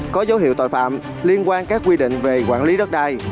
có dấu hiệu tội phạm liên quan các quy định về quản lý đất đai